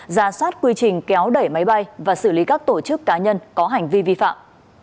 ra soát quy trình kéo đẩy máy bay và xử lý các tổ chức cá nhân có hành vi vi phạm